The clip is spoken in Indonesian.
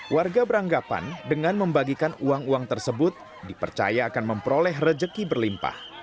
warga beranggapan dengan membagikan uang uang tersebut dipercaya akan memperoleh rejeki berlimpah